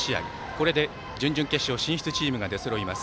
これで、準々決勝進出チームが出そろいます。